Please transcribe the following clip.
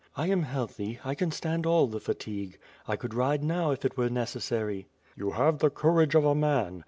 "I am healthy; I can stand all the fatigue. I could ride now if it were necessary." "You have the courage of a man.